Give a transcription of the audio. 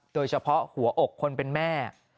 โดยเฉพาะหัวอกคนเป็นแม่